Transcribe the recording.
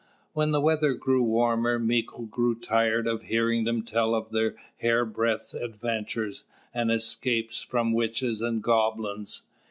When the weather grew warmer, Mīko grew tired of hearing them tell of their hair breadth adventures, and escapes from witches and goblins.